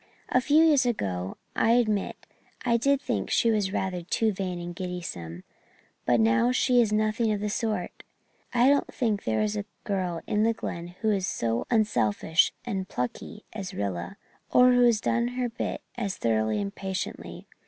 A few years ago I admit I did think she was rather too vain and gigglesome; but now she is nothing of the sort. I don't think there is a girl in the Glen who is so unselfish and plucky as Rilla, or who has done her bit as thoroughly and patiently.